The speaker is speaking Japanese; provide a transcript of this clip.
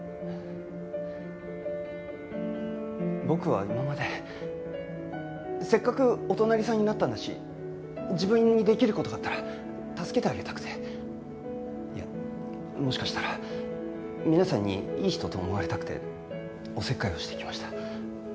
僕は今までせっかくお隣さんになったんだし自分にできる事があったら助けてあげたくていやもしかしたら皆さんにいい人と思われたくておせっかいをしてきました。